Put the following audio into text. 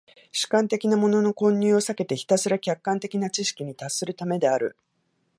主観的なものの混入を避けてひたすら客観的な知識に達するためである。